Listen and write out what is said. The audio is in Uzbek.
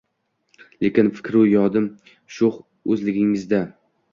Lekin fikru yodim „sho‘x“ o‘g‘lingizda